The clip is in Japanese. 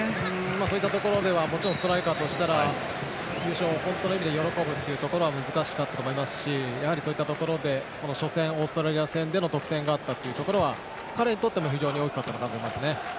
そういったところではストライカーとしたら優勝を本当の意味で喜ぶことは難しかったかと思いますしそういったところで初戦、オーストラリア戦で得点があったというところは彼にとっても非常に大きかったのかなと感じます。